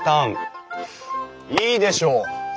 いいでしょう。